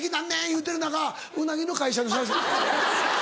いうてる中「うなぎの会社の社長」。